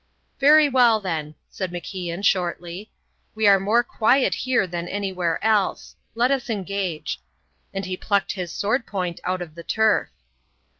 "Very well, then," said MacIan, shortly. "We are more quiet here than anywhere else; let us engage." And he plucked his sword point out of the turf.